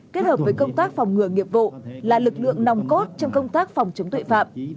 kết hợp với công tác phòng ngừa nghiệp vụ là lực lượng nòng cốt trong công tác phòng chống tội phạm